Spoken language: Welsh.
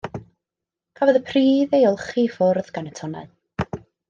Cafodd y pridd ei olchi i ffwrdd gan y tonnau.